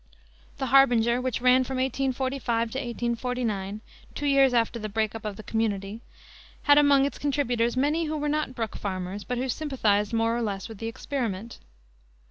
The Harbinger, which ran from 1845 to 1849 two years after the break up of the community had among its contributors many who were not Brook Farmers, but who sympathized more or less with the experiment.